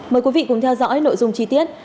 mời quý vị cùng theo dõi nội dung chi tiết